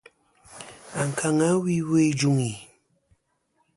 Ankaŋa wi iwo ijuŋi.